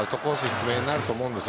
低めになると思います。